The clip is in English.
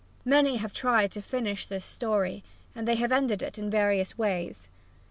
Many have tried to finish this story and they have ended it in various ways.